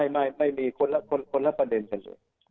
ไม่มีคนละประเด็นกันเลย